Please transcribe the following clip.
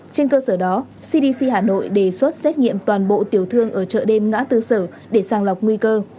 trên cơ sở đó cdc hà nội đề xuất xét nghiệm toàn bộ tiểu thương ở chợ đêm ngã tư sở để sàng lọc nguy cơ